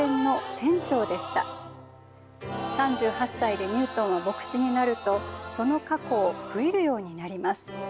３８歳でニュートンは牧師になるとその過去を悔いるようになります。